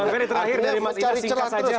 oke bang ferry terakhir dari mas inas singkat saja